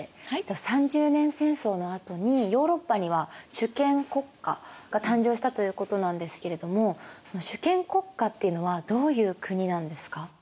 三十年戦争のあとにヨーロッパには主権国家が誕生したということなんですけれども主権国家っていうのはどういう国なんですか？